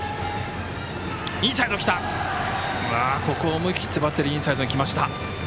思い切って、バッテリーインサイドにきました。